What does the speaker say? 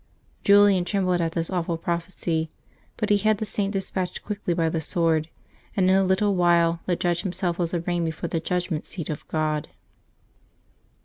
Julian trembled at this awful prophecy, but he had the Saint despatched quickly by the sword, and in a little while the judge himself was arraigned before the judg ment seat of God.